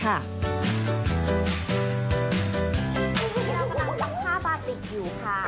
เรากำลังทำผ้าบาติกอยู่ค่ะ